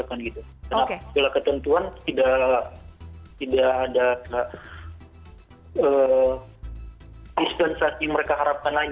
karena setelah ketentuan tidak ada dispensasi yang mereka harapkan lain